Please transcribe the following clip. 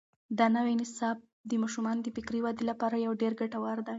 دا نوی نصاب د ماشومانو د فکري ودې لپاره ډېر ګټور دی.